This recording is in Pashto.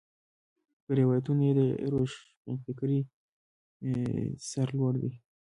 پر روایتونو یې د روښنفکرۍ سر لوړ دی.